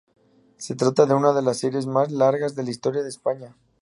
Se trata de una de las series más largas de la historia de España.